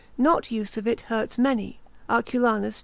Not use of it hurts many, Arculanus, c.